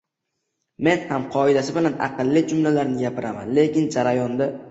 Men ham qoidasi bilan aqlli jumlalarni gapiraman, lekin jarayonda